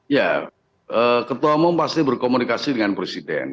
ya ketua umum pasti berkomunikasi dengan presiden